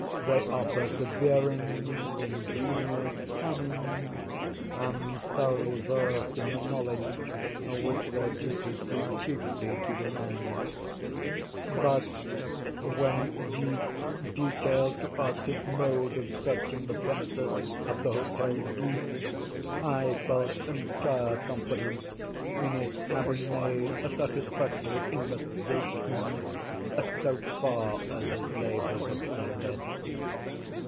They are persevering, ingenious, cunning, and thoroughly versed in the knowledge which their duties seem chiefly to demand. Thus, when G—— detailed to us his mode of searching the premises at the Hotel D——, I felt entire confidence in his having made a satisfactory investigation—so far as his labors extended."